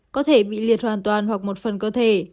có thể bị liệt hoàn toàn hoặc một phần cơ thể